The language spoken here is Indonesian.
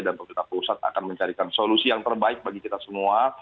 dan pemerintah perusahaan akan mencarikan solusi yang terbaik bagi kita semua